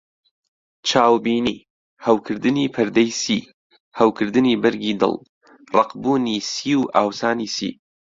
چاوبینی: هەوکردنی پەردەی سی، هەوکردنی بەرگی دڵ، ڕەقبوونی سی و ئاوسانی سی.